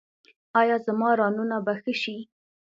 ایا زما رانونه به ښه شي؟